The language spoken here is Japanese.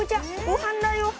ごはんだよ